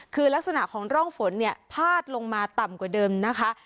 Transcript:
คือลักษณะของร่องฝนเนี่ยพาดลงมาต่ำกว่าเดิมนะคะ